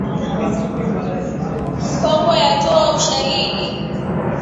Kongo yatoa ushahidi